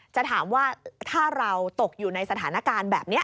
จะถามว่าถ้าเราตกอยู่ในสถานการณ์แบบนี้